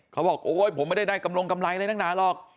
เขาบอกโอ้โฮผมไม่ได้ได้กำลังกำไรได้นักหนาหรอก